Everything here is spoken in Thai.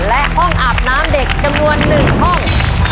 และห้องอาบน้ำเด็กจำนวน๑ห้อง